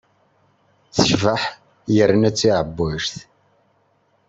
Yuba yeɛẓeg.